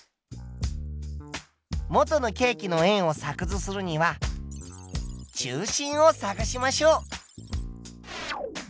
元のケーキの円を作図するには中心を探しましょう。